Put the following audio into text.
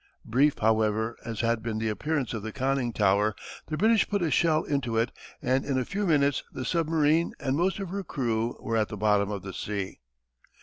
Brief, however, as had been the appearance of the conning tower, the British put a shell into it and in a few minutes the submarine and most of her crew were at the bottom of the sea.